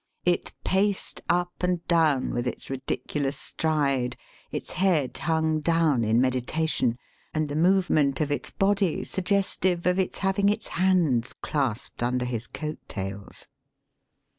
It paced up and down with its ridiculous stride, its head hung down in medi tation, and the movement of its body sug gestive of its having its hands claspdd under his coat tails.